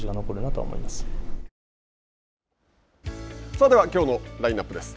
さあではきょうのラインナップです。